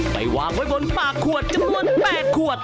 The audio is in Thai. ไปวางไว้บนปากขวดจำนวน๘ขวด